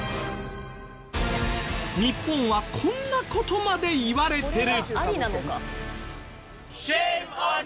日本はこんな事まで言われてる。